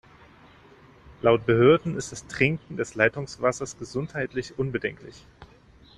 Laut Behörden ist das Trinken des Leitungswassers gesundheitlich unbedenklich.